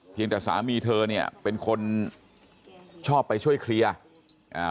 แต่สามีเธอเนี่ยเป็นคนชอบไปช่วยเคลียร์อ่า